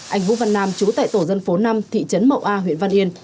anh vũ văn nam chú tại tổ dân phố năm thị trấn mậu a huyện văn yên